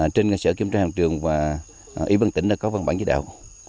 trên sở kiểm tra hành trường và ủy ban tỉnh đã có văn bản giới đạo